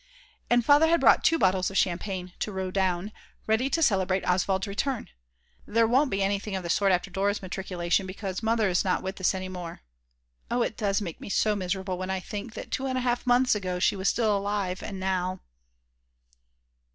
And father had brought two bottles of champagne to Rodaun, ready to celebrate Oswald's return. There won't be anything of the sort after Dora's matriculation because Mother is not with us any more; oh it does make me so miserable when I think that 2 1/2 months ago she was still alive, and now